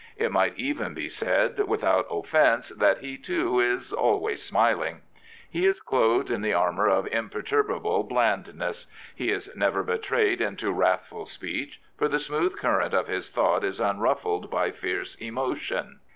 It might even be said without offence that he, too, is " always smiling." He is clothed in the armour of impertobable blandness. He is never betrayed into wrathful speech, /of the smooth current of his thought is unruffled by fierce emotion.